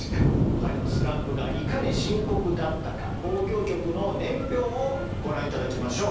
彼のスランプがいかに深刻だったか交響曲の年表をご覧頂きましょう。